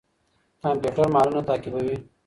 کمپيوټر مالونه تعقيبوي.